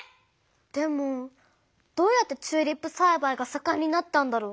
でもどうやってチューリップさいばいがさかんになったんだろう？